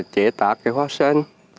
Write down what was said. chế tác cái hoa sen